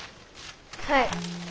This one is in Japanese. はい。